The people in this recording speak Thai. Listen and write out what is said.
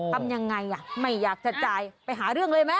ทำยังไงไม่อยากจะจ่ายไปหาเรื่องเลยไหม